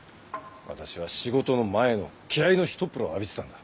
私は仕事の前の気合のひとっ風呂を浴びてたんだ。